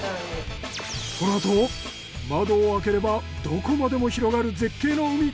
このあと窓を開ければどこまでも広がる絶景の海！